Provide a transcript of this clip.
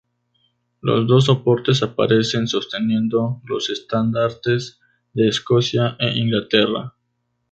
Los dos soportes aparecen sosteniendo los estandartes de Escocia e Inglaterra.